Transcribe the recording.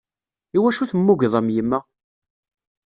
Iwacu temmugeḍ am yemma?